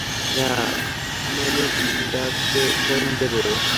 হ্যাঁ মেলিন্ডাকে ফোন দেব?